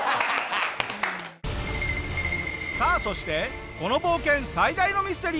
さあそしてこの冒険最大のミステリー。